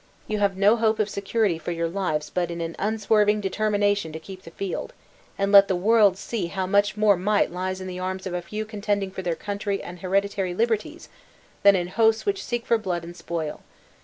You have no hope of security for your lives but in an unswerving determination to keep the field, and let the world see how much more might lies in the arms of a few contending for their country and herediatry liberties, than in hosts which seek for blood and spoil.